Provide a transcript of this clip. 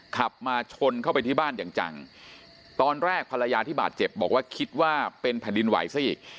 ขับมาชนเข้าไปที่บ้านอย่างจังตอนแรกภรรยาที่บาดเจ็บบอกว่าคิดว่าเป็นแผ่นดินไหวซะอีก